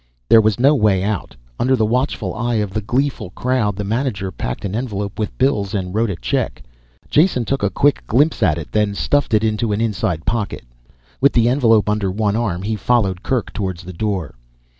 There was no way out. Under the watchful eye of the gleeful crowd the manager packed an envelope with bills and wrote a check. Jason took a quick glimpse at it, then stuffed it into an inside pocket. With the envelope under one arm he followed Kerk towards the door.